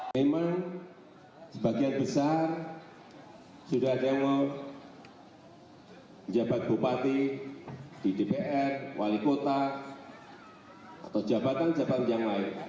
memang sebagian besar sudah ada yang menjabat bupati di dpr wali kota atau jabatan jabatan yang lain